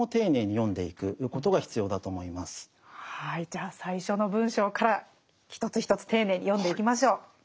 じゃあ最初の文章から一つ一つ丁寧に読んでいきましょう。